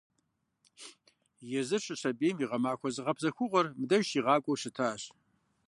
Езыр щысабийм и гъэмахуэ зыгъэпсэхугъуэр мыбдежым щигъакӀуэу щытащ.